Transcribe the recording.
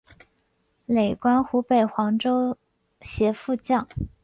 累官湖北黄州协副将。